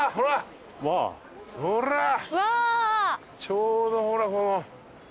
ちょうどほらこの。